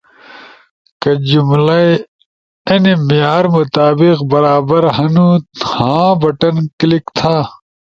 کہ جملہ اجینی معیار مطابق برابر ہنو، ”ہاں“ بٹن کلک تھا۔